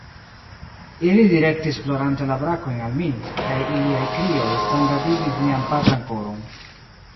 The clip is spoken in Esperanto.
Ili direktis plorante la brakojn al mi, kaj iliaj krioj sangadigis mian patran koron.